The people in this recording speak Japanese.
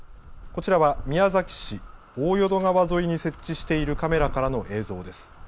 こちらは宮崎市大淀川沿いに設置しているカメラからの映像です。